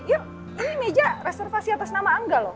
yuk ini meja reservasi atas nama angga loh